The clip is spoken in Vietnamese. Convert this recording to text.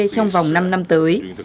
trong vòng năm năm tới